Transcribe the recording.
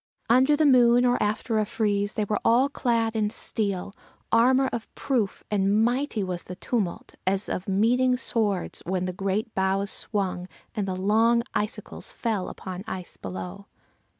Under the moon or after a freeze they were all clad in steel, armor of proof, and mighty was the tumult, as of meeting swords, when the great boughs swung, and the long icicles fell upon ice below.